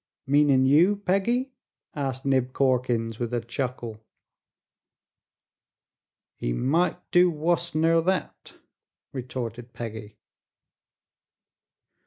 "Meanin' you, Peggy?" asked Nib Corkins, with a chuckle. "He might do wuss ner that," retorted Peggy.